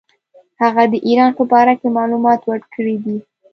هغه د ایران په باره کې معلومات ورکړي دي.